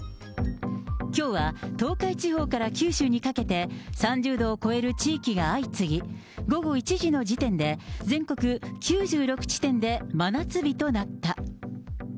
きょうは東海地方から九州にかけて、３０度を超える地域が相次ぎ、午後１時の時点で全国９６地点で真夏日となった。